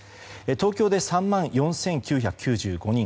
東京で３万４９９５人